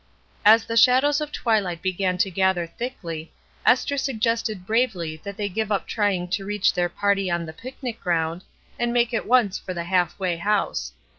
As the shadows of twiUght began to gather thickly, Esther suggested bravely that they give up trying to reach their party on the picnic 162 ESTER RIED^S NAMESAKE ground, and make at once for the Half way House.